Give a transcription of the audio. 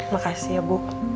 makasih ya bu